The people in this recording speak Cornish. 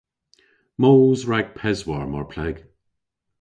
"Moos rag peswar, mar pleg."